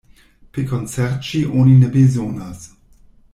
Pekon serĉi oni ne bezonas.